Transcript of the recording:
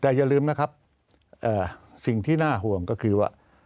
แต่อย่าลืมนะครับสิ่งที่น่าห่วงก็คือว่า